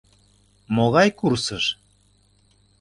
— Могай курсыш?